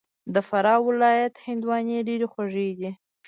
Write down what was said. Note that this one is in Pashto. د فراه ولایت هندواڼې ډېري خوږي دي